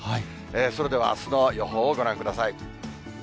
それではあすの予報をご覧ください。